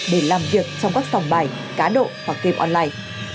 để làm việc trong các sòng bài cá độ hoặc game online